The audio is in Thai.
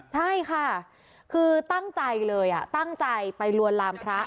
ใช่ค่ะคือตั้งใจเลยตั้งใจไปลวนลามพระ